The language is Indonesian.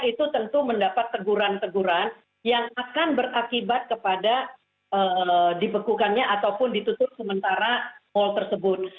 itu tentu mendapat teguran teguran yang akan berakibat kepada dibekukannya ataupun ditutup sementara mal tersebut